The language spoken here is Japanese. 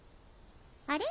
あれ？